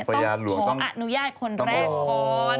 ขออนุญาตคนแรกก่อน